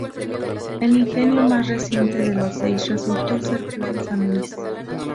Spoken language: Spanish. El ingenio más reciente de los seis, resultó ser Plan San Luis.